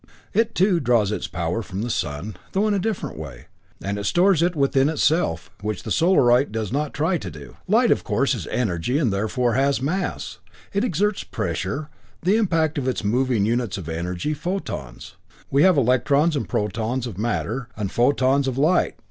It, too, draws its power from the sun, though in a different way, and it stores it within itself, which the Solarite does not try to do. "Light of course, is energy, and therefore, has mass. It exerts pressure, the impact of its moving units of energy photons. We have electrons and protons of matter, and photons of light.